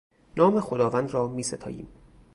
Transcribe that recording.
نام خداوند را میستاییم.